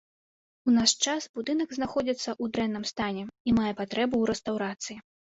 У наш час будынак знаходзіцца ў дрэнным стане і мае патрэбу ў рэстаўрацыі.